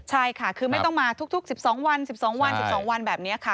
ใช่ค่ะคือไม่ต้องมาทุก๑๒วัน๑๒วัน๑๒วันแบบนี้ค่ะ